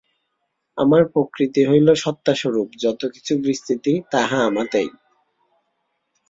আমার প্রকৃতি হইল সত্তাস্বরূপ, যত কিছু বিস্তৃতি, তাহা আমাতেই।